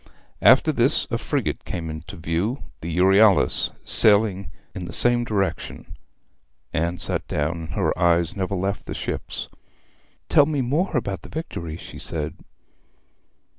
After this a frigate came into view the Euryalus sailing in the same direction. Anne sat down, and her eyes never left the ships. 'Tell me more about the Victory,' she said.